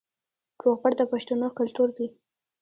روغبړ د پښتنو کلتور دی